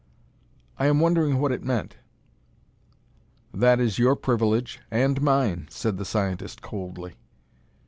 "I am wondering what it meant." "That is your privilege and mine," said the scientist coldly.